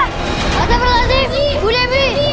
tante berkasi bu devi